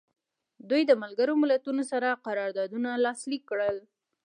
دوی د ملګرو ملتونو سره قراردادونه لاسلیک کړل.